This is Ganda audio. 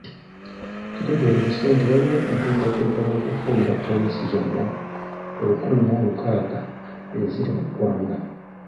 Kitegeerekese nti waliwo enteekateeka y’okufuuyira poliisi zonna olukumi mw'olukaaga eziri mu Ggwanga.